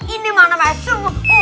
ini mana mana semua